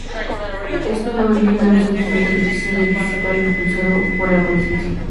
Esto da origen a un sentimiento difícil de disipar impulsado por la conciencia.